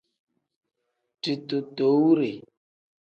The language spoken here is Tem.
Ditootowure.